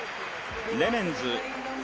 レメンズ。